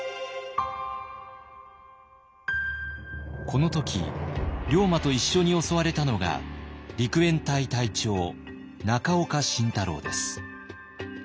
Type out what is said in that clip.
この時龍馬と一緒に襲われたのが陸援隊隊長中岡慎太郎です。